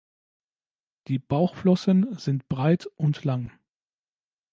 Die Bauchflossen sind breit und lang.